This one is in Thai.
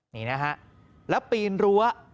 นี่นะฮะแล้วปีนรั้ว